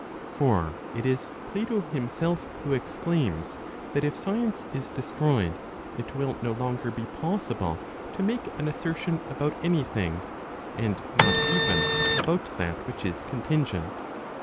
For it is Plato himself who exclaims, that if science is destroyed, it will no longer be possible to make an assertion about any thing, and not even about that which is contingent.